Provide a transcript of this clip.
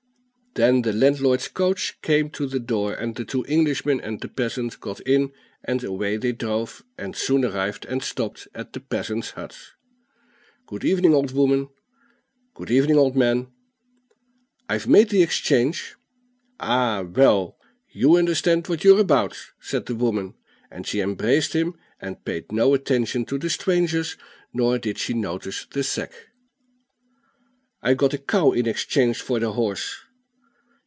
Then the landlord's coach came to the door, and the two Englishmen and the peasant got in, and away they drove, and soon arrived and stopped at the peasant's hut. "Good evening, old woman." "Good evening, old man." "I've made the exchange." "Ah, well, you understand what you're about," said the woman. Then she embraced him, and paid no attention to the strangers, nor did she notice the sack. "I got a cow in exchange for the horse."